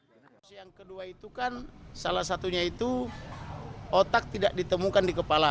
enosi yang kedua itu kan salah satunya itu otak tidak ditemukan di kepala